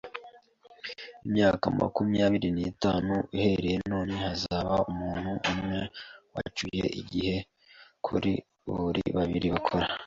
Imyaka makumyabiri n'itanu uhereye none hazaba umuntu umwe wacyuye igihe kuri buri babiri bakora.